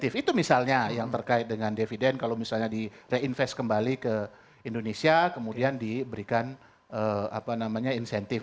motif itu misalnya yang terkait dengan dividend kalau misalnya di reinvest kembali ke indonesia kemudian diberikan insentif